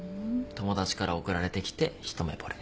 友達から送られてきて一目ぼれ。